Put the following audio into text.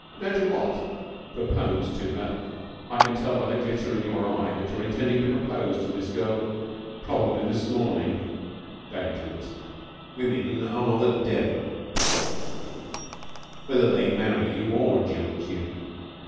"Don't do what?" "Propose to her. I can tell by the glitter in your eye that you are intending to propose to this girl probably this morning. Don't do it. Women are the devil, whether they marry you or jilt you.